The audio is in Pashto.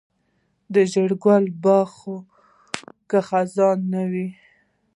د ژړو ګلو باغ خو یې که خزان نه وي.